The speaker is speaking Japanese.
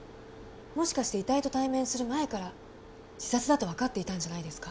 もしかして遺体と対面する前から自殺だとわかっていたんじゃないですか？